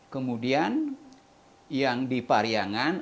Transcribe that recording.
kemudian yang di pariangan